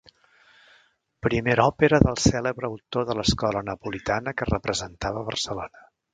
Primera òpera del cèlebre autor de l'escola napolitana que es representava a Barcelona.